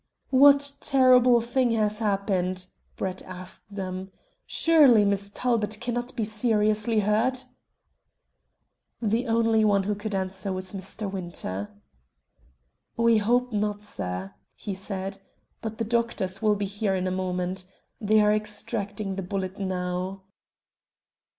"What terrible thing has happened?" Brett asked them. "Surely Miss Talbot cannot be seriously hurt?" The only one who could answer was Mr. Winter. "We hope not, sir," he said, "but the doctors will be here in a moment. They are extracting the bullet now."